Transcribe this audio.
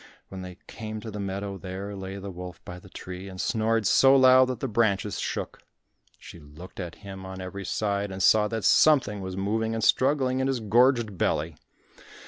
When they came to the meadow, there lay the wolf by the tree and snored so loud that the branches shook. She looked at him on every side and saw that something was moving and struggling in his gorged belly.